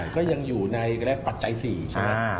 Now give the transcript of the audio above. ก็ยังอยู่ในปัจจัย๔ใช่ไหม